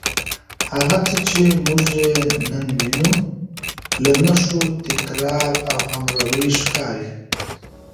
هغه څه چې موږ یې نن وینو، له نښو، تکرار او همغږۍ ښکاري